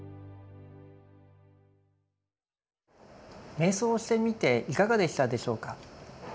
瞑想をしてみていかがでしたでしょうか？